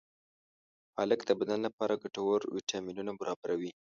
پالک د بدن لپاره ګټور ویټامینونه برابروي.